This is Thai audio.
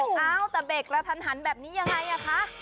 เฮ้ยโอ้แต่เบรกละทันแบบนี้ยังไงอ่ะคะ